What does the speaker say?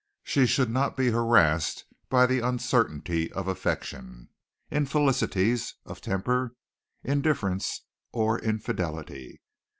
She should not be harassed by uncertainty of affection, infelicities of temper, indifference or infidelity.